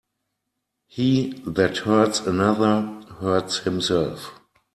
He that hurts another, hurts himself.